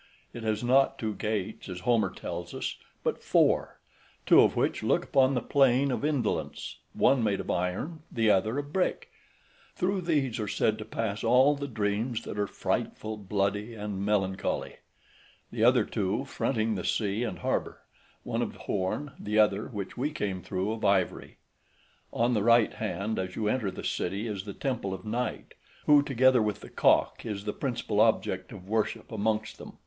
It has not two gates, as Homer {137c} tells us, but four; two of which look upon the plain of Indolence, one made of iron, the other of brick; through these are said to pass all the dreams that are frightful, bloody, and melancholy; the other two, fronting the sea and harbour, one of horn, the other, which we came through, of ivory; on the right hand, as you enter the city, is the temple of Night, who, together with the cock, is the principal object of worship amongst them.